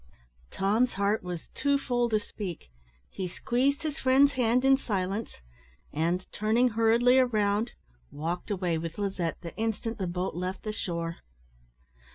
Tom's heart was too full to speak. He squeezed his friend's hand in silence, and, turning hurriedly round, walked away with Lizette the instant the boat left the shore.